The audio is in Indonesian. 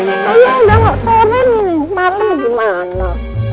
ayolah udah gak soren malem gimana